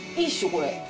これ。